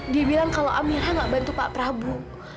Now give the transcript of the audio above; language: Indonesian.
dia bilang kalau amira gak bantu pak prabu